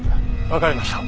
わかりました。